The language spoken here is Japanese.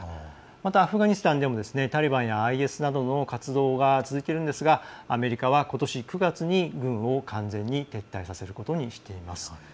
また、アフガニスタンでもタリバンやＩＳなどの活動が続いているんですがアメリカはことし９月に軍を完全に撤退させることにしています。